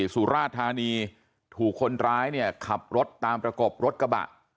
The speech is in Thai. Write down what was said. สุราธานีถูกคนร้ายเนี่ยขับรถตามประกบรถกระบะ